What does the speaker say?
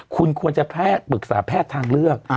คุณควรจะแพทย์ปรึกษาแพทย์ทางเลือก